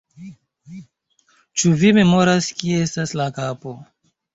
Ĉu vi memoras kie estas la kapo?